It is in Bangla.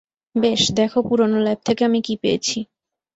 বেশ, দেখো পুরনো ল্যাব থেকে আমি কী পেয়েছি।